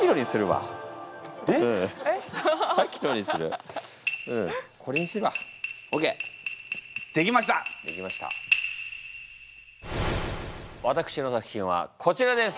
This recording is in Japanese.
わたくしの作品はこちらです！